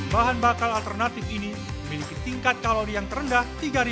bahan bakar alternatif ini memiliki tingkat kalori yang terendah tiga